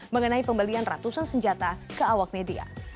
mengenai pembelian ratusan senjata ke awak media